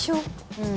うん。